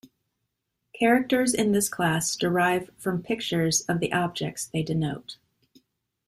Characters in this class derive from pictures of the objects they denote.